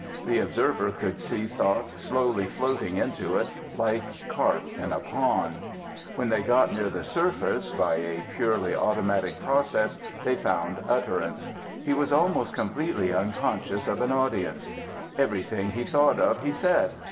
The observer could see thoughts slowly floating into it, like carp in a pond. When they got near the surface, by a purely automatic process they found utterance. He was almost completely unconscious of an audience. Everything he thought of he said.